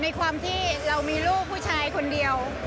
ในความที่เรามีลูกผู้ชายคนเดียว